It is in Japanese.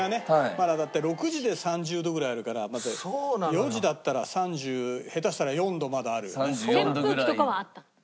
まだだって６時で３０度ぐらいあるから４時だったら三十下手したら３４度まであるよね。